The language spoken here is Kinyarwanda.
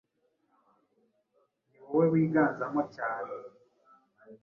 Ni wowe wiganzamo cyane